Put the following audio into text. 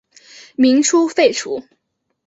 民初废除。